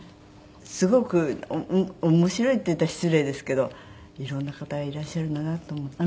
すごく面白いって言ったら失礼ですけど色んな方がいらっしゃるんだなと思って。